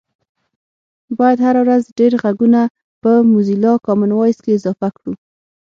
باید هره ورځ ډېر غږونه په موزیلا کامن وایس کې اضافه کړو